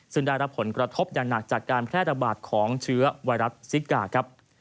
ซึ่งได้รับผลกระทบอย่างหนักจากการแพร่ระบาดของเชื้อไวรัสซิกาครับ